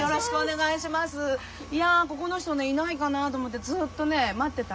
いやここの人ねいないかなと思ってずっとね待ってた。